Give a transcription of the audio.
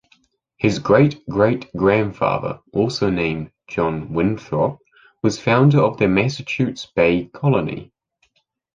His great-great-grandfather, also named John Winthrop, was founder of the Massachusetts Bay Colony.